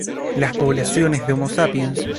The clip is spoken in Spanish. Las Poblaciones de "Homo Sapiens".